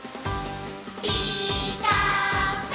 「ピーカーブ！」